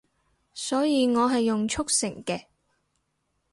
所以我係用速成嘅